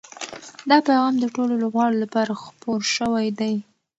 دا پیغام د ټولو لوبغاړو لپاره خپور شوی دی.